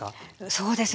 そうです。